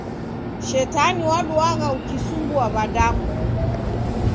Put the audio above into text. Shetani waduagha ukisumbua w'adamu